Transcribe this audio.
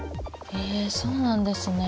へえそうなんですね。